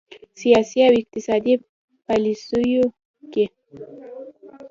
سیاسي او اقتصادي پالیسیو کې